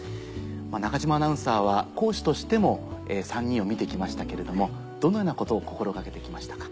中島アナウンサーは講師としても３人を見て来ましたけれどもどのようなことを心掛けて来ましたか？